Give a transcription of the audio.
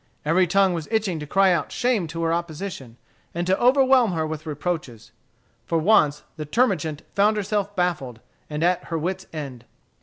Every tongue was itching to cry out shame to her opposition, and to overwhelm her with reproaches. For once the termagant found herself baffled, and at her wits' end.